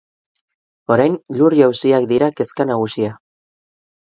Orain, lur-jausiak dira kezka nagusia.